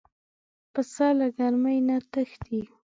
پسه له ګرمۍ نه تښتي.